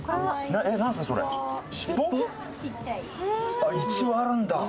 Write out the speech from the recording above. あっ一応あるんだ。